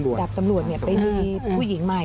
เพราะไม่เคยถามลูกสาวนะว่าไปทำธุรกิจแบบไหนอะไรยังไง